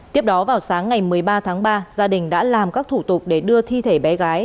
tiếp đó vào sáng ngày một mươi ba tháng ba gia đình đã làm các thủ tục để đưa thi thể bé gái